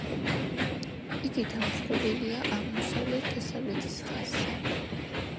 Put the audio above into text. იგი დამხრობილია აღმოსავლეთ-დასავლეთის ხაზზე.